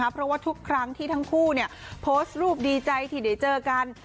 เพราะว่าทุกครั้งที่ทั้งคู่โพสต์รูปดีใจที่ได้เจอกัน